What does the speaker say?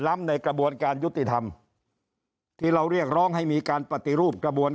ล้ำในกระบวนการยุติธรรมที่เราเรียกร้องให้มีการปฏิรูปกระบวน